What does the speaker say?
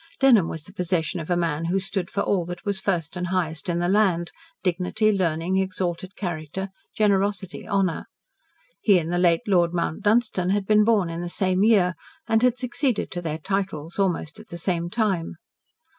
Dunholm was the possession of a man who stood for all that was first and highest in the land, dignity, learning, exalted character, generosity, honour. He and the late Lord Mount Dunstan had been born in the same year, and had succeeded to their titles almost at the same time.